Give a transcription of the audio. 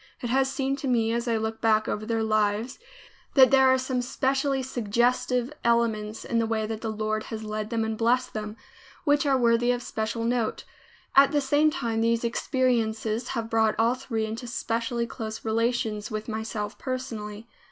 It has seemed to me, as I look back over their lives, that there are some specially suggestive elements in the way the Lord has led them and blessed them, which are worthy of special note. At the same time these experiences have brought all three into specially close relations with myself personally.